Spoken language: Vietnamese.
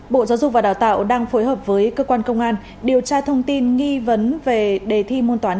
bộ giáo dục và đào tạo đang phối hợp với cơ quan công an điều tra thông tin nghi vấn về đề thi môn toán